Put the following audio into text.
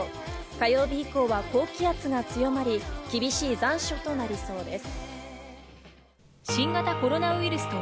火曜日以降は高気圧が強まり、厳しい残暑となりそうです。